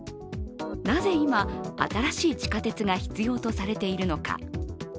なぜ今、新しい地下鉄が必要とされているのか。